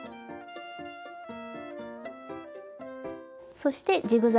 そしてジグザグ